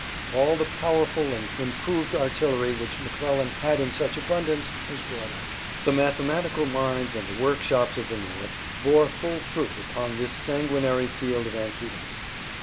All the powerful and improved artillery which McClellan had in such abundance was brought up. The mathematical minds and the workshops of the North bore full fruit upon this sanguinary field of Antietam.